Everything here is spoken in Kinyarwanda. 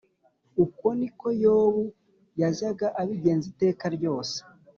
Uko ni ko Yobu yajyaga abigenza iteka ryose